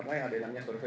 di adekan acara